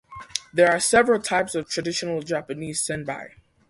There are several types of "traditional" Japanese senbei.